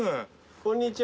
こんにちは。